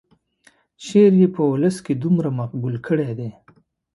شعر یې په ولس کې دومره مقبول کړی دی.